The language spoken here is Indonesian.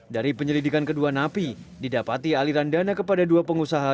dari penyelidikan kedua napi didapati aliran dana kepada dua pengusaha